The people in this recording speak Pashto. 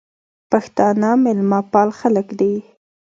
پښتانه مېلمپال خلک دي.